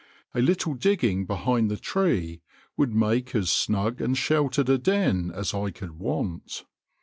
A little digging behind the tree would make as snug and sheltered a den as I could want.